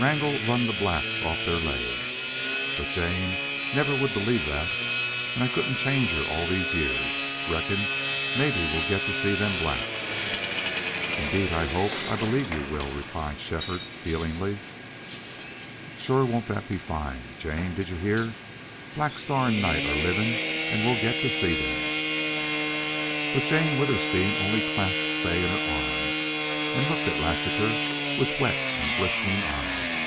"Wrangle run the blacks off their legs. But Jane never would believe thet. An' I couldn't change her all these years.... Reckon mebbe we'll get to see them blacks?" "Indeed, I hope I believe you will," replied Shefford, feelingly. "Shore won't thet be fine. Jane, did you hear? Black Star an' Night are livin' an' we'll get to see them." But Jane Withersteen only clasped Fay in her arms, and looked at Lassiter with wet and glistening eyes.